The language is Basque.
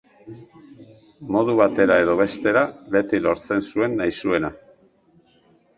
Modu batera edo bestera, beti lortzen zuen nahi zuena.